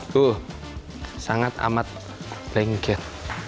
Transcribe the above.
tuh sangat amat lengket